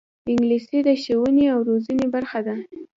انګلیسي د ښوونې او روزنې برخه ده